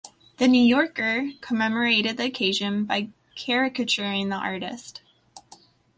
"The New Yorker" commemorated the occasion by caricaturing the artist.